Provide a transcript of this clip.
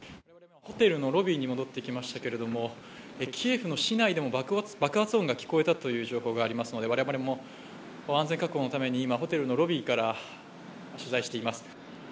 ホテルのロビーに戻ってきましたけれども、キエフの市内でも爆発音が聞こえたという情報がありますので我々も安全確保のために今ホテルのロビーから取材しています。